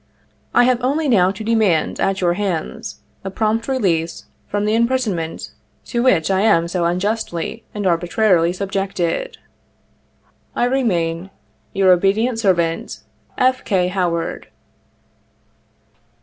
I have only now to demand, at your hands, a prompt release from the impris onment to which I am so unjustly and arbitrarily subjected. "I remain "Your obedient servant, "F. K. HOWARD."